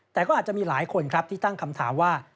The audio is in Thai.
แต่ก็อาจจะมีหลายคนครับที่ตั้งคำถามว่า